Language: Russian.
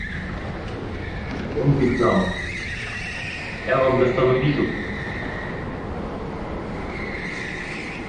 Идемте к нам — я вам достану визу!